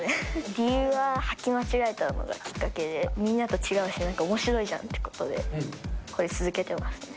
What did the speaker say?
理由ははき間違えたことがきっかけで、みんなと違うし、なんかおもしろいじゃんということで、これ続けてますね。